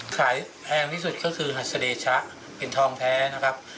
แพงที่สุดก็คือหัสเดชะเป็นทองแท้นะครับ